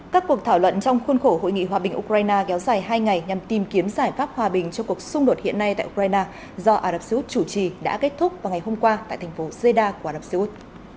các cuộc thảo luận trong khuôn khổ hội nghị hòa bình ukraine kéo dài hai ngày nhằm tìm kiếm giải pháp hòa bình cho cuộc xung đột hiện nay tại ukraine do ả rập xê út chủ trì đã kết thúc vào ngày hôm qua tại thành phố zeda của ả rập xê út